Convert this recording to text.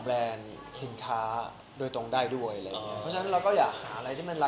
เพราะว่ายังไงดีอะ